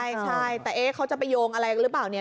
ใช่แต่เอ๊ะเขาจะไปโยงอะไรกันหรือเปล่าเนี่ย